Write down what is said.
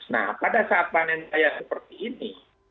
nah pada saat panen raya seperti ini